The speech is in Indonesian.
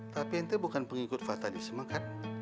tapi ente bukan pengikut fatah di semangat